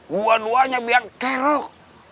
buah buahnya biang kerok